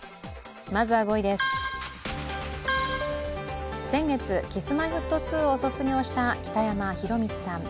まずは５位です、先月、Ｋｉｓ−Ｍｙ−Ｆｔ２を卒業した北山宏光さん。